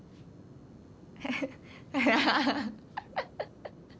ハハハハハ。